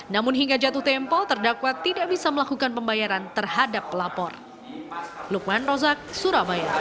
namun hingga jatuh tempo terdakwa tidak bisa melakukan pembayaran terhadap pelapor